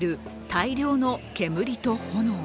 大量の煙と炎。